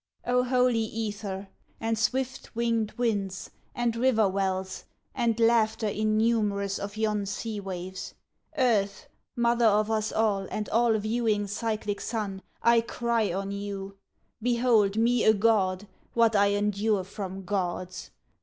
O holy Æther, and swift winged Winds, And River wells, and laughter innumerous Of yon Sea waves! Earth, mother of us all, And all viewing cyclic Sun, I cry on you, Behold me a god, what I endure from gods!